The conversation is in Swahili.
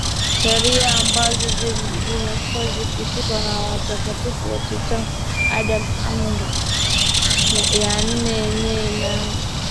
Sheria ambazo zimekuwa zikishikwa na watakatifu wote tangu Adam Amri ya Nne yenyewe inaanza